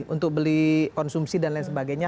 untuk beli konsumsi dan lain sebagainya